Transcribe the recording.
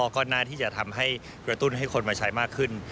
ก็น่าที่จะทำให้กระตุ้นให้คนมาใช้มากขึ้น